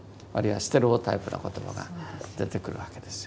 ステレオタイプな言葉が出てくるわけですよ。